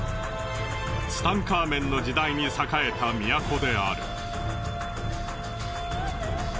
ツタンカーメンの時代に栄えた都である。